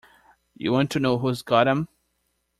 You want to know who's got 'em?